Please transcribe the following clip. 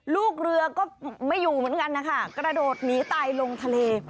ลูกเรือก็ไม่อยู่เหมือนกันนะคะกระโดดหนีตายลงทะเล